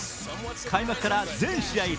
開幕から全試合３０